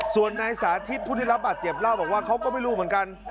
ส่วนนายสาธิตผู้ได้รับบาดเจ็บเล่าบอกว่าเขาก็ไม่รู้เหมือนกัน